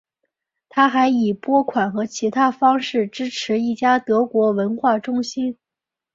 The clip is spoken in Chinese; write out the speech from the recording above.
他还以拨款和其他方式支持一家德国文化中心。